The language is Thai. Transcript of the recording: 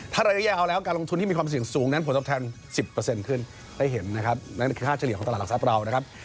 ถ้าระยะยาวแล้วการลงทุนที่มีความเสี่ยงสูงนั้นผลตอบแทน๑๐ขึ้นได้เห็นนะครับนั่นคือค่าเฉลี่ยของตลาดหลักทรัพย์เรานะครับ